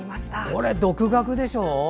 これ独学でしょう。